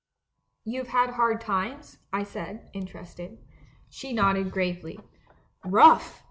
" 'You've had hard times?' I said, interested. "She nodded gravely. 'Rough!